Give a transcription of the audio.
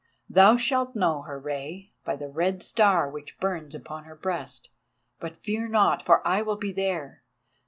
"Thou shalt know her, Rei, by the red star which burns upon her breast. But fear not, for I will be there.